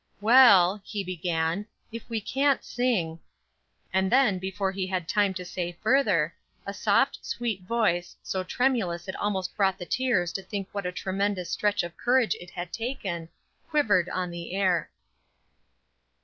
"Well," he began; "if we cannot sing" And then, before he had time to say further, a soft, sweet voice, so tremulous it almost brought the tears to think what a tremendous stretch of courage it had taken, quivered on the air.